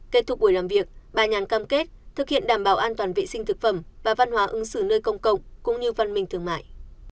kết thúc buổi làm việc bà nhàn cam kết thực hiện đảm bảo an toàn vệ sinh thực phẩm và văn hóa ứng xử nơi công cộng cũng như văn minh thương mại